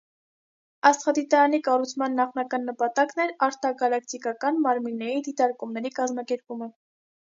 Աստղադիտարանի կառուցման նախնական նպատակն էր արտագալակտիկական մարմինների դիտարկումների կազմակերպումը։